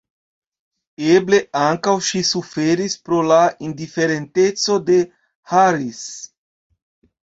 Eble ankaŭ ŝi suferis pro la indiferenteco de Harris.